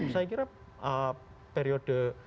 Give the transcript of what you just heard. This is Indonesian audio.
saya kira periode